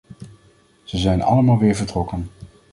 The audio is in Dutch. Ze zijn allemaal weer vertrokken.